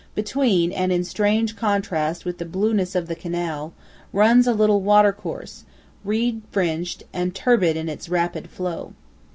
Between, and in strange contrast with the blueness of the canal, runs a little watercourse, reed fringed, and turbid in its rapid flow.